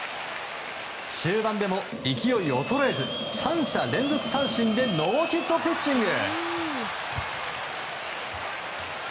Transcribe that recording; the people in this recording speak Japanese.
終盤でも勢い衰えず３者連続三振でノーヒットピッチング。